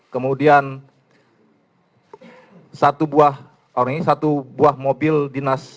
kemudian satu buah mobil dinas